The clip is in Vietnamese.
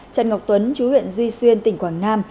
trần ngọc tuấn chú huyện duy xuyên tỉnh quảng nam